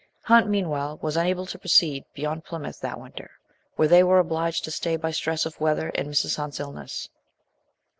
Hunt, meanwhile, was unable to proceed beyond Plymouth that winter, where they were obliged to stay by stress of weather and Mrs. Hunt's illness.